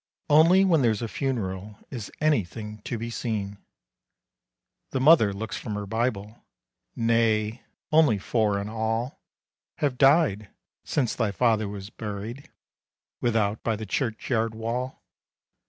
Only when there's a funeral Is anything to be seen." The mother looks from her Bible: "Nay, only four in all Have died since thy father was buried Without by the churchyard wall."